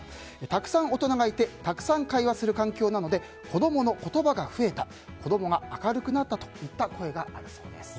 たくさん大人がいてたくさん会話する環境なので子供の言葉が増えた子供が明るくなったといった声があるそうです。